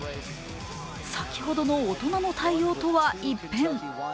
先ほどの大人の対応とは一変。